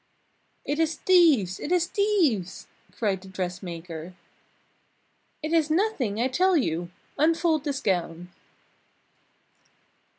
"It is thieves! It is thieves!" cried the dressmaker. "It is nothing I tell you unfold this gown."